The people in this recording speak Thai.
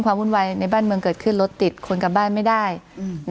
วุ่นวายในบ้านเมืองเกิดขึ้นรถติดคนกลับบ้านไม่ได้อืม